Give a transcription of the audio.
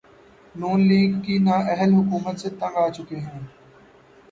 نون League کی نااہل حکومت سے تنگ آچکے ہیں